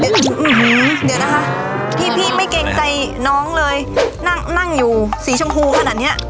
เดี๋ยวนะคะพี่พี่ไม่เกรงใจน้องเลยนั่งนั่งอยู่สีชมพูขนาดเนี้ย